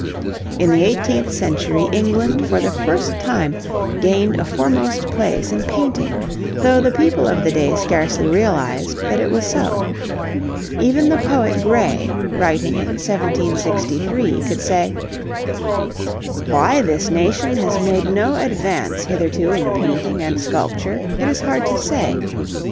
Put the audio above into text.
In the eighteenth century England for the first time gained a foremost place in painting, though the people of the day scarcely realized that it was so. Even the poet Gray, writing in 1763, could say: Why this nation has made no advance hitherto in painting and sculpture, it is hard to say....